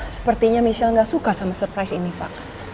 sepertinya michelle nggak suka sama surprise ini pak